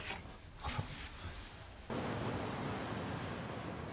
あっそう？